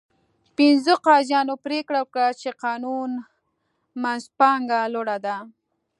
پنځو قاضیانو پرېکړه وکړه چې قانون منځپانګه لوړه ده.